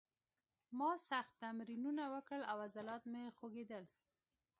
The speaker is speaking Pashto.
ما سخت تمرینونه وکړل او عضلات مې خوږېدل